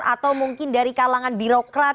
atau mungkin dari kalangan birokrat